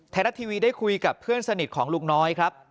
ไทยรัฐทีวีได้คุยกับเพื่อนสนิทของลุงน้อยครับ